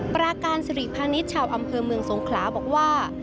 ปราการสิริพาณิชย์ชาวอำเภอเมืองสงขลาบอกว่า